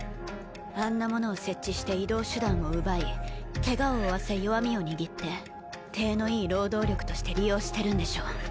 あんなものを設置して移動手段を奪いケガを負わせ弱みを握って体のいい労働力として利用してるんでしょ。